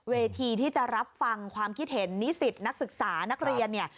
เวทีที่จะรับฟังความคิดเห็นนิสิตนักศึกษานักเรียนเนี่ย